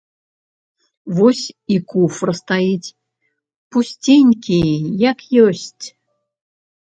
Вось і куфар стаіць, пусценькі, як ёсць.